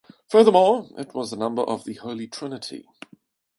Furthermore, it was the number of the Holy Trinity.